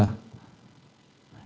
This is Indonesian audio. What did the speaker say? betul yang mulia